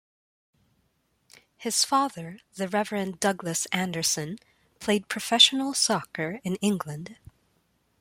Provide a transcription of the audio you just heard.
His father, the Reverend Douglas Anderson, played professional soccer in England.